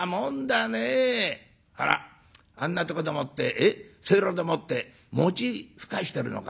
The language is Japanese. あらあんなとこでもってせいろでもって餅ふかしてるのか。